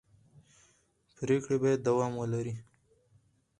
پرېکړې باید دوام ولري